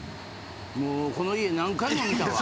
もうこの家何回も見たわ。